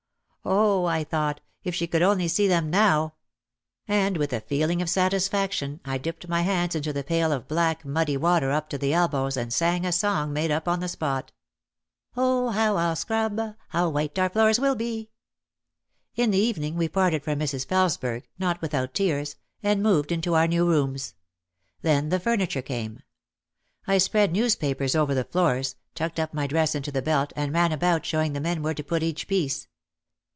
"Oh!" I thought, "if she could only see them now !" And with a feeling of satis H2 OUT OF THE SHADOW faction I dipped my hands into the pail of black, muddy water up to the elbows and sang a song made up on the spot. "Oh, how I'll scrub, — how white our floors will be." In the evening we parted from Mrs. Felesberg (not without tears) and moved into our new rooms. Then the furniture came. I spread newspapers over the floors, tucked up my dress into the belt and ran about showing the men where to put each piece.